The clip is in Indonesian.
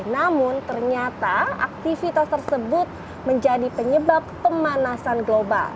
namun ternyata aktivitas tersebut menjadi penyebab pemanasan global